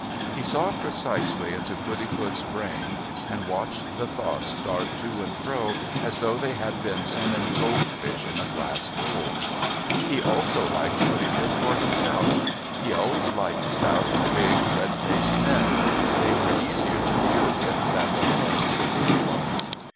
He saw precisely into Puddifoot's brain and watched the thoughts dart to and fro as though they had been so many goldfish in a glass bowl. He also liked Puddifoot for himself; he always liked stout, big, red faced men; they were easier to deal with than the thin severe ones.